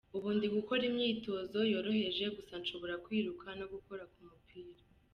Ubu ndi gukora imyitozo yoroheje gusa nshobora kwiruka no gukora ku mupira.